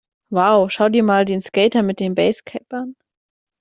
Wow, schau dir mal den Skater mit dem Basecap an!